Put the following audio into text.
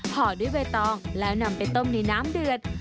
ห่อด้วยใบตองแล้วนำไปต้มในน้ำเดือด